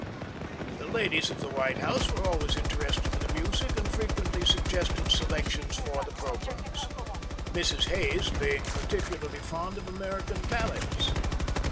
The ladies of the White House were always interested in the music, and frequently suggested selections for the programmes, Mrs. Hayes being particularly fond of American ballads.